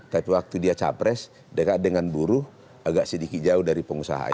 tapi waktu dia capres dekat dengan buruh agak sedikit jauh dari pengusaha itu